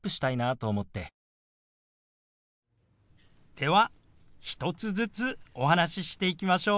では１つずつお話ししていきましょう。